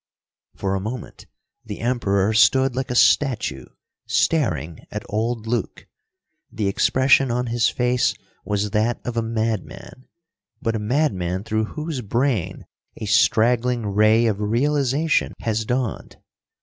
For a moment the Emperor stood like a statue, staring at old Luke. The expression on his face was that of a madman, but a madman through whose brain a straggling ray of realization has dawned.